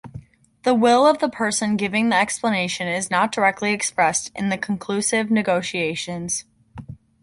The will of the person giving the explanation is not directly expressed in the conclusive negotiations.